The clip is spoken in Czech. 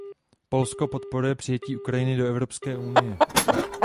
Polsko podporuje přijetí Ukrajiny do Evropské unie.